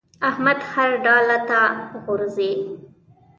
احمد هر ډاله ته غورځي.